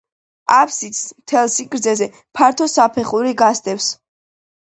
აბსიდს, მთელ სიგრძეზე, ფართო საფეხური გასდევს.